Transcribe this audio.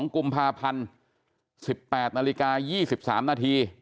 ๒กุมภาพันธ์๑๘นาฬิกา๒๓นาที